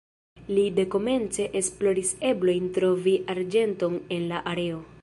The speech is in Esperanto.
Li dekomence esploris eblojn trovi arĝenton en la areo.